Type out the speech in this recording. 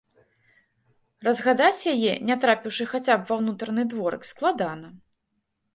Разгадаць яе, не трапіўшы хаця б ва ўнутраны дворык, складана.